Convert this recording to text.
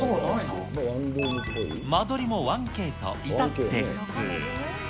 間取りも１Ｋと、至って普通。